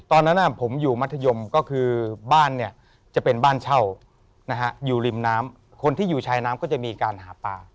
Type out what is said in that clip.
ตอนนั้นผมอยู่มัธยมก็คือบ้านเนี่ยจะเป็นบ้านเช่านะฮะอยู่ริมน้ำคนที่อยู่ชายน้ำก็จะมีการหาปลา